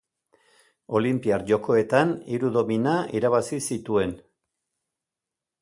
Olinpiar Jokoetan hiru domina irabazi zituen.